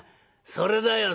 それだよ